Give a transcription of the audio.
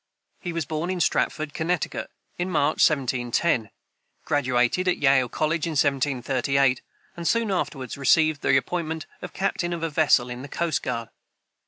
He was born in Stratford, Connecticut, in March, 1710, graduated at Yale college in 1738, and soon afterward received the appointment of captain of a vessel of the coast guard.